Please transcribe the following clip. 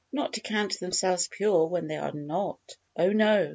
Not to count themselves pure when they are not. Oh, no!